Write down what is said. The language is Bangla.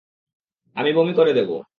আমি বমি করে দেব।